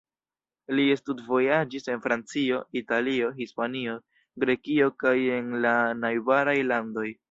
Li studvojaĝis en Francio, Italio, Hispanio, Grekio kaj en la najbaraj landoj.